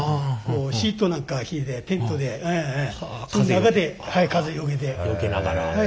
シートなんかひいてテントでその中で風よけて。